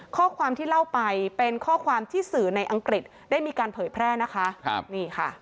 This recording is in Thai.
ข้อความที่เล่าไปเป็นข้อความที่สื่อในอังกฤษได้มีการเผยแพร่นะคะครับนี่ค่ะ